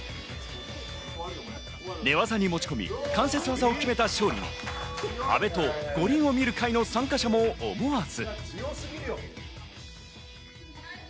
寝技に持ち込み、関節技を決めた勝利に「阿部と五輪を見る会」の参加者も思わず。